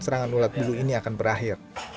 serangan ulat bulu ini akan berakhir